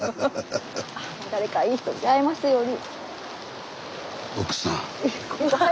ああ誰かいい人に出会えますように。